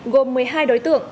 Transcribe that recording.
gồm một mươi hai đối tượng